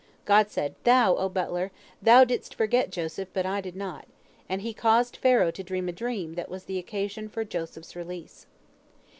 God said, "Thou, O butler, thou didst forget Joseph, but I did not," and He caused Pharaoh to dream a dream that was the occasion for Joseph's release.